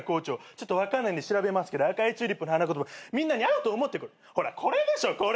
ちょっと分かんないで調べますけど赤いチューリップの花言葉みんなに合うと思ってほらこれでしょこれ！